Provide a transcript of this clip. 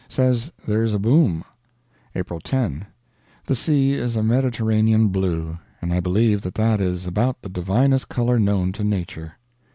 Says there is a boom. April 10. The sea is a Mediterranean blue; and I believe that that is about the divinest color known to nature.